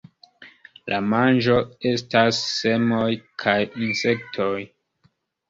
La manĝo estas semoj kaj insektoj.